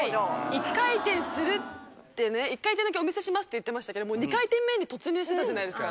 １回転するって１回転だけお見せしますって言ってましたけどもう２回転目に突入してたじゃないですか。